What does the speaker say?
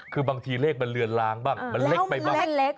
คือบางทีเลขมันเลือนลางบ้างมันเล็กไปบ้างเล็ก